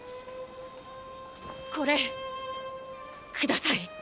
これください。